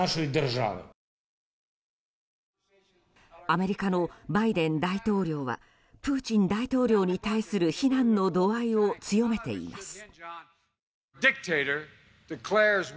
アメリカのバイデン大統領はプーチン大統領に対する非難の度合いを強めています。